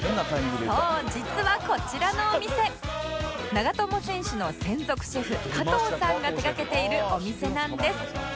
そう実はこちらのお店長友選手の専属シェフ加藤さんが手掛けているお店なんです